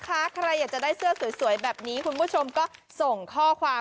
ใครอยากจะได้เสื้อสวยแบบนี้คุณผู้ชมก็ส่งข้อความ